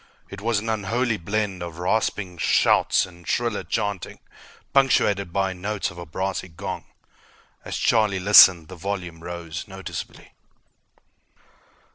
It was an unholy blend of rasping shouts and shriller chanting, punctuated by notes of a brassy gong. As Charlie listened, the volume rose noticeably.